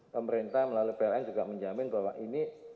pemerintah melalui pln juga menjamin bahwa ini